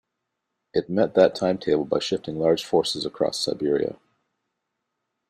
It met that timetable by shifting large forces across Siberia.